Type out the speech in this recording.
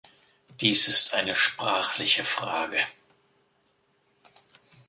Dies ist eine sprachliche Frage.